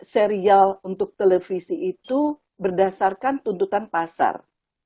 serial untuk televisi itu berdasarkan tuntutan pasar